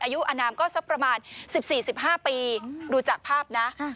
อายุอนามก็สักประมาณ๑๔๑๕ปีดูจากภาพนะ